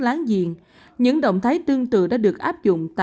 láng giềng những động thái tương tự đối với các nước phía nam và nam phía việt nam